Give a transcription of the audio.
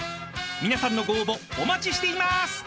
［皆さんのご応募お待ちしています！］